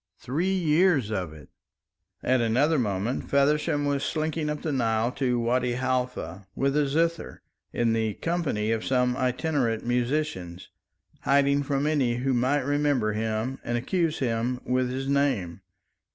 Three years of it!" At another moment Feversham was slinking up the Nile to Wadi Halfa with a zither, in the company of some itinerant musicians, hiding from any who might remember him and accuse him with his name.